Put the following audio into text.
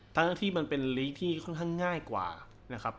ทั้งที่มันเป็นลีกที่ค่อนข้างง่ายกว่านะครับ